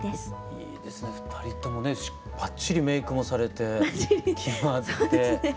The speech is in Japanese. いいですね２人ともねばっちりメークもされて決まって。